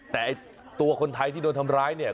แต่ตัวคนไทยที่โดนทำร้ายเนี่ย